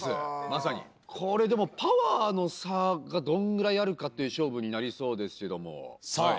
まさにこれでもパワーの差がどんぐらいあるかっていう勝負になりそうですけどもさあ